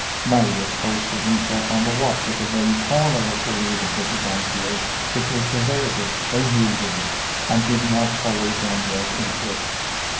Marius posted himself on the watch at the very corner of the Rue du Petit Banquier, which was deserted, as usual, and did not follow Jondrette into it.